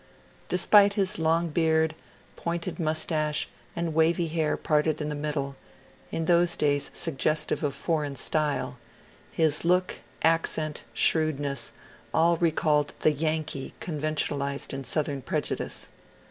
Despite his long beard, pointed moustache, and wavy hair parted in the middle, in those days suggestive of foreign style, his look, accent, shrewdness, all recalled the " Yankee " conventionalized in Southern preju dice.